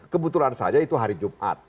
kebetulan saja itu hari jumat